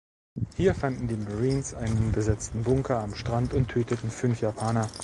Hier fanden die Marines einen besetzten Bunker am Strand und töteten fünf Japaner.